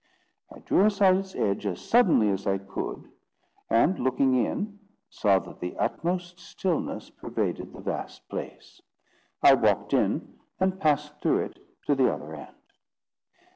I drew aside its edge as suddenly as I could, and, looking in, saw that the utmost stillness pervaded the vast place. I walked in, and passed through it to the other end.